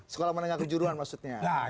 sekolah menengah kejuruhan maksudnya